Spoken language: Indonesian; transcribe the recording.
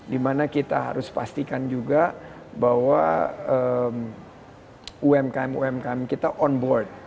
dimana kita harus pastikan juga bahwa umkm umkm kita on board